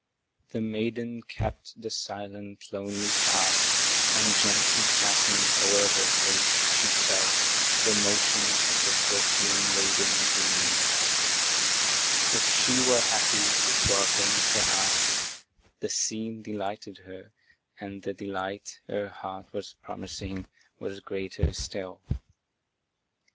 The maiden kept the silent, lonely path, And gently passing o'er her face, she felt The motion of the perfume laden breeze. If she were happy, it were vain to ask; The scene delighted her, and the delight Her heart was promising, was greater still.